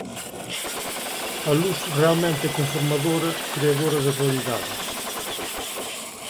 A luz realmente é conformadora, creadora de realidades.